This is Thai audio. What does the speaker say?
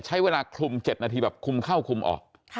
ใช้เวลาคลุม๗นาทีแบบคุมเข้าคุมออก